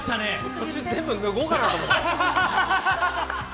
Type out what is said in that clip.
途中、全部脱ごうかなと思った。